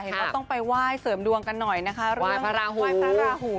เห็นต้องไปว่ายเสริมดวงกันหน่อยว่ายพระราหู